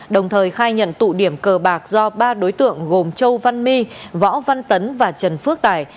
đồng thời khai nhận tụ điểm cờ bạc do ba đối tượng gồm châu văn my võ văn tấn và trần phước tài